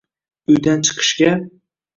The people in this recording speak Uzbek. Uydan chiqishga